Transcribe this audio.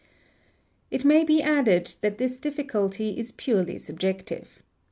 It may be added that this difficulty is purely subjective.